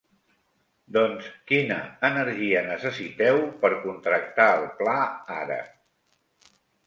Doncs quina energia necessiteu per contractar el pla ara?